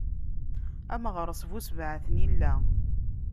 A Meɣres bu sebɛa tnila.